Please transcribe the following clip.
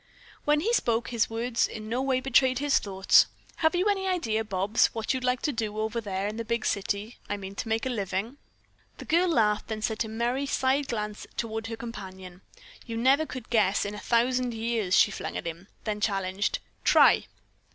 When he spoke, his words in no way betrayed his thoughts. "Have you any idea, Bobs, what you'd like to do, over there in the big city; I mean to make a living?" The girl laughed; then sent a merry side glance toward her companion. "You never could guess in a thousand years," she flung at him, then challenged; "Try!"